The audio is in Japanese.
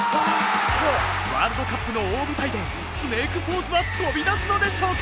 ワールドカップの大舞台でスネークポーズは飛び出すのでしょうか？